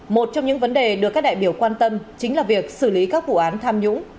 một trong những vấn đề được các đại biểu quan tâm chính là việc xử lý các vụ án tham nhũng